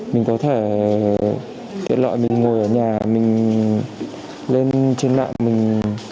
mình có thể tiện lợi mình ngồi ở nhà mình lên trên mạng mình